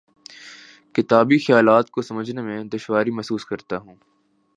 کتابی خیالات کو سمجھنے میں دشواری محسوس کرتا ہوں